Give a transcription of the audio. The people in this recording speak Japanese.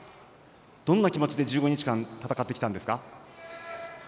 どんな気持ちで１５日間戦ってきたんですか。